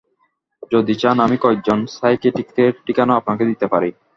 যদি চান আমি কয়েক জন সাইকিয়াটিক্টের ঠিকানাও আপনাকে দিতে পারি।